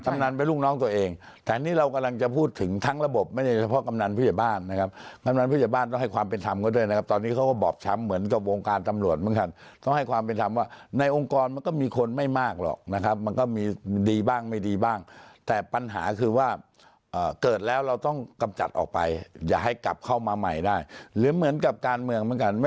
กำหนังเป็นลูกน้องตัวเองแต่อันนี้เรากำลังจะพูดถึงทั้งระบบไม่เฉพาะกำหนังผู้จัดบ้านนะครับกำหนังผู้จัดบ้านต้องให้ความเป็นธรรมก็ด้วยนะครับตอนนี้เขาก็บอกช้ำเหมือนกับองค์การตำรวจเหมือนกันต้องให้ความเป็นธรรมว่าในองค์กรมันก็มีคนไม่มากหรอกนะครับมันก็มีดีบ้างไม่ดีบ้างแต่ปัญหาคือว่าเก